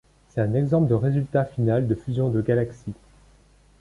C'est un exemple de résultat final de fusion de galaxies.